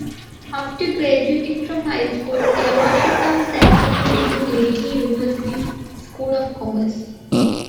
After graduating from high school, Yamashita was accepted into Meiji University's School of Commerce.